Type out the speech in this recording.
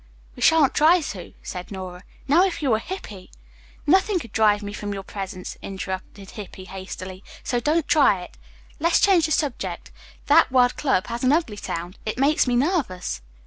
"We shan't try to," said Nora. "Now, if you were Hippy " "Nothing could drive me from your presence," interrupted Hippy hastily, "so don't try it. Let's change the subject. That word club has an ugly sound. It makes me nervous."